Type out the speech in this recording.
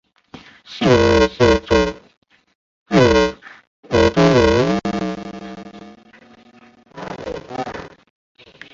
现任系主任为郭明湖。